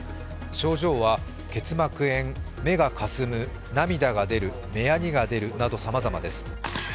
症状は結膜炎、目がかすむ涙が出る、目やにが出るなどさまざまです。